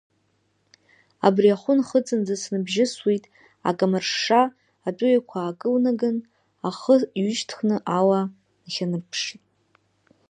Абри ахәы нхыҵынӡа снабжьысуеит, акамаршша атәыҩақәа аакылнаган, ахы ҩышьҭыхны ала нхьанарԥшит.